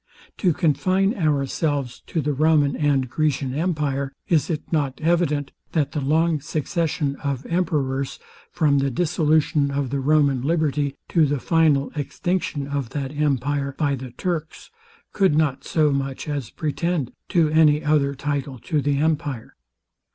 To confine ourselves to the Roman and Grecian empire; is it not evident, that the long succession of emperors, from the dissolution of the Roman liberty, to the final extinction of that empire by the Turks, could not so much as pretend to any other title to the empire?